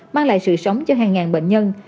mang lại sự sống cho hàng ngàn bệnh nhân